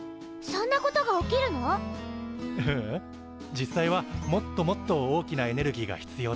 実際はもっともっと大きなエネルギーが必要だと思う。